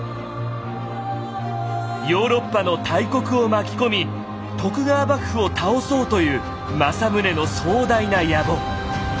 ヨーロッパの大国を巻き込み徳川幕府を倒そうという政宗の壮大な野望。